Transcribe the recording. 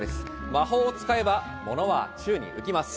魔法を使えば物は宙に浮きます。